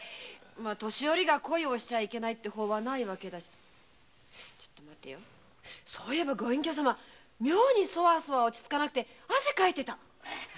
年寄りが恋をしちゃいけないって法はないわけだしそういえばご隠居様妙にソワソワして落ち着かなくて汗かいてた。